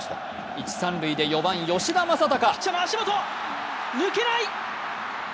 一・三塁で４番・吉田正尚。